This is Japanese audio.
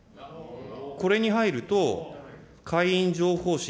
これに入ると、会員情報誌